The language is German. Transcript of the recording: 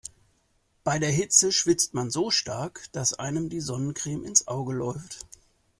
Bei der Hitze schwitzt man so stark, dass einem die Sonnencreme ins Auge läuft.